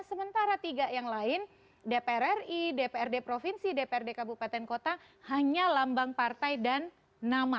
sementara tiga yang lain dpr ri dprd provinsi dprd kabupaten kota hanya lambang partai dan nama